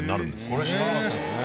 これ知らなかったですね。